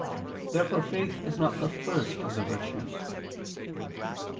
Therefore faith is not the first of the virtues.